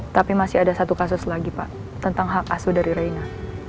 tapi masih ada satu kasus lagi pak tentang hak asuh dari raina